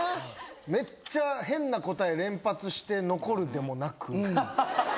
めっちゃ変な答え連発して残るでもなく。